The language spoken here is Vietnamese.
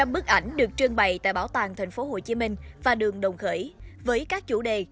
hai trăm linh bức ảnh được trương bày tại bảo tàng tp hcm và đường đồng khởi với các chủ đề